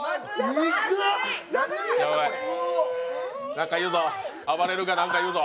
何か言うぞ、あばれるが何か言うぞ。